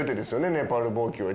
ネパール棒灸は。